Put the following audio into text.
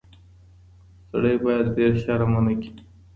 سړی باید ډیر شرم ونه کړي.